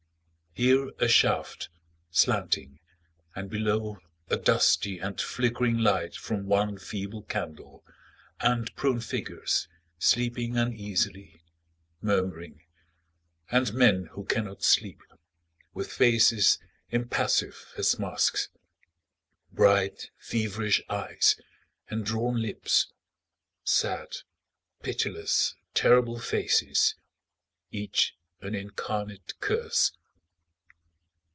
Here a shaft, slanting, and below A dusty and flickering light from one feeble candle And prone figures sleeping uneasily, Murmuring, And men who cannot sleep, With faces impassive as masks, Bright, feverish eyes, and drawn lips, Sad, pitiless, terrible faces, Each an incarnate curse.